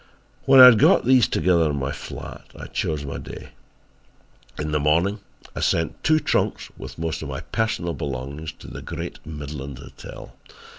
When I had got these together in my flat, I chose my day. In the morning I sent two trunks with most of my personal belongings to the Great Midland Hotel.